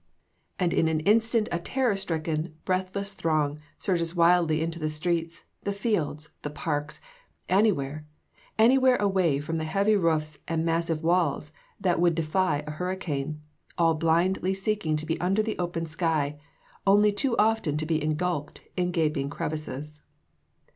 and in an instant a terror stricken, breathless throng surges wildly into the streets, the fields, the parks anywhere: anywhere away from the heavy roofs and massive walls that would defy a hurricane; all blindly seeking to be under the open sky, only too often to be engulfed in gaping crevices.